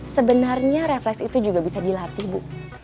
sebenarnya refles itu juga bisa dilatih bu